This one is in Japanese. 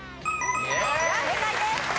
正解です。